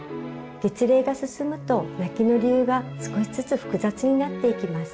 月齢が進むと泣きの理由が少しずつ複雑になっていきます。